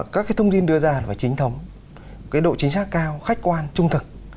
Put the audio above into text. các cái thông tin đưa ra là phải chính thống cái độ chính xác cao khách quan trung thực